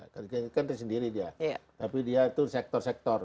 kerja kan tersendiri dia tapi dia itu sektor sektor